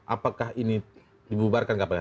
apakah ini dibubarkan tidak